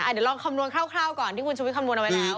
เดี๋ยวลองคำนวณคร่าวก่อนที่คุณชุวิตคำนวณเอาไว้แล้ว